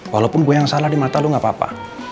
walaupun gue yang salah di mata lu gak apa apa